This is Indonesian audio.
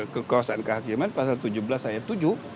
kekuasaan kehakiman pasal tujuh belas ayat tujuh